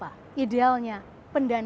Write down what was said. yang ketiga sebagai perusahaan